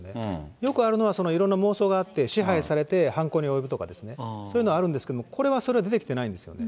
よくあるのは、いろんな妄想があって、支配されて、犯行に及ぶとかですね、そういうのはあるんですけど、これはそれ、出てきてないんですね。